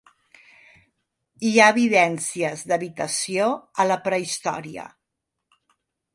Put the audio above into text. Hi ha evidències d'habitació a la prehistòria.